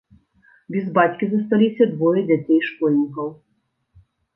Без бацькі засталіся двое дзяцей-школьнікаў.